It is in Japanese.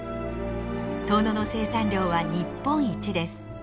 遠野の生産量は日本一です。